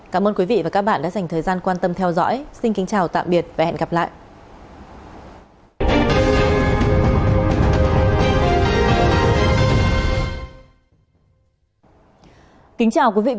cảm ơn các bạn đã theo dõi và hẹn gặp lại